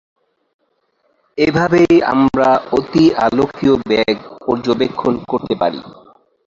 এভাবেই আমরা অতিআলোকীয় বেগ পর্যবেক্ষণ করতে পারি।